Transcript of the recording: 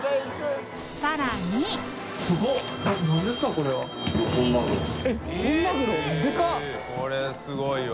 これすごいわ。